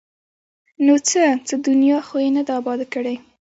ـ نو څه؟ څه دنیا خو یې نه ده اباد کړې!